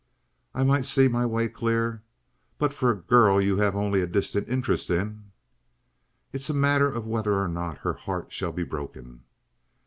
I might see my way clear but for a girl you have only a distant interest in " "It is a matter of whether or not her heart shall be broken."